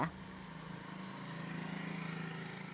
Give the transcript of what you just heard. lalu seberapa besar dampak gempa lombok terhadap